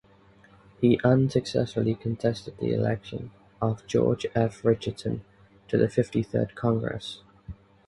He unsuccessfully contested the election of George F. Richardson to the Fifty-third Congress.